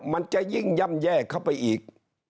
มันจะยิ่งย่ำแย่เข้าไปอีก